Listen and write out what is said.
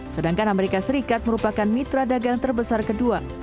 sedangkan amerika serikat merupakan mitra dagang terbesar kedua